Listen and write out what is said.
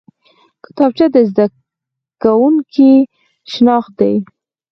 کتابچه د زده کوونکي شناخت دی